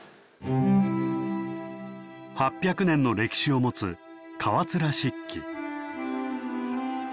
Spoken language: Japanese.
８００年の歴史を持つ川連漆器。